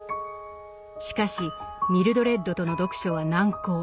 しかしミルドレッドとの読書は難航。